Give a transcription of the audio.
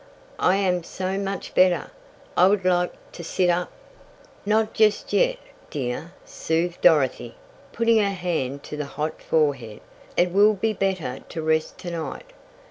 "I am so much better. I would like to sit up." "Not just yet, dear," soothed Dorothy, putting her hand to the hot forehead. "It will be better to rest to night."